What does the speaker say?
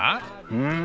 うん。